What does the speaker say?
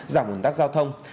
giảm hình tác giao thông